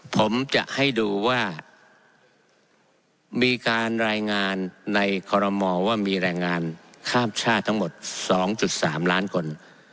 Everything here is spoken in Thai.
ผมจะให้ดูว่ามีการรายงานในคอรมอว่ามีแรงงานข้ามชาติทั้งหมด๒๓ล้านคน